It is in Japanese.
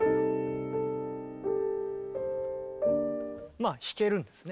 まあ弾けるんですね。